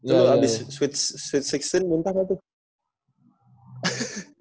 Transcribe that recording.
abis switch enam belas muntah gak tuh